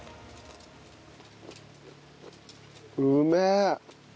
うめえ！